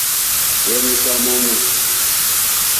We nuka momu.